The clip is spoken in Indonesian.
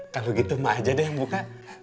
kalau gitu mak ajak deh yang buka